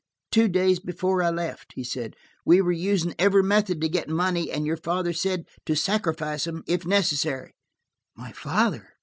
"Two days before I left," he said. "We were using every method to get money, and your father said to sacrifice them, if necessary." "My father!"